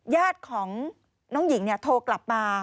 ยาดของน้องหญิงเนี่ยโทรกลับมา